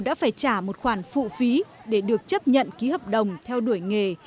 mặc dù đã phải trả một khoản phụ phí để được chấp nhận ký hợp đồng theo đuổi nghề